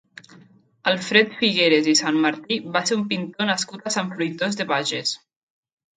Alfred Figueras i Sanmartí va ser un pintor nascut a Sant Fruitós de Bages.